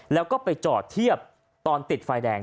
แล้วก็ไปจอดเทียบตอนติดไฟแดง